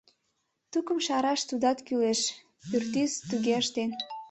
Тукым шараш тудат кӱлеш: пӱртӱс туге ыштен.